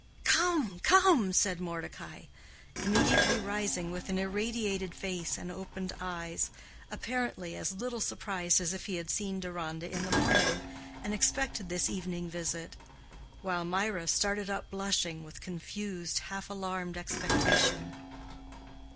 "Come! come!" said Mordecai, immediately rising with an irradiated face and opened eyes—apparently as little surprised as if he had seen Deronda in the morning, and expected this evening visit; while Mirah started up blushing with confused, half alarmed expectation.